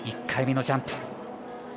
１回目のジャンプ。